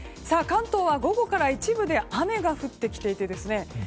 関東は午後から一部で雨が降ってきてですね